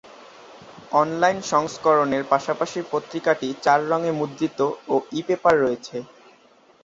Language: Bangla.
অনলাইন সংস্করণের পাশাপাশি পত্রিকাটি চার রঙে মুদ্রিত ও ই-পেপার রয়েছে।